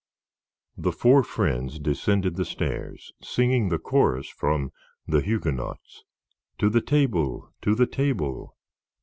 The four friends descended the stairs, singing the chorus from "The Huguenots," "to the table, to the table."